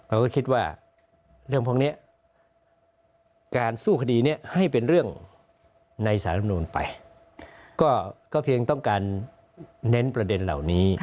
เราก็คิดว่าเรื่องพวกนี้การสู้คดีนี้ให้เป็นเรื่องในสารลำนูลไปก็เพียงต้องการเน้นประเด็นเหล่านี้